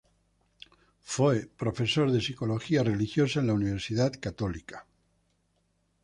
Fue profesor de psicología religiosa en la Universidad Católica.